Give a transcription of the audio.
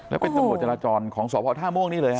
แล้วเป็นจังหกจราจรของหว่าธ่าม่วงนี้เลย